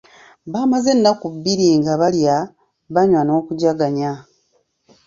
Baamaze ennaku bbiri nga balya, banywa n’okujjaganya.